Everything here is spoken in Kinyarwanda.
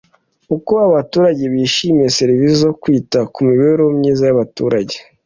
uko abaturage bishimiye serivisi zo kwita ku mibereho myiza abaturage